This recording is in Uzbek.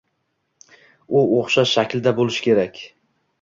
U o’xshash shaklda bo’lishi kerak.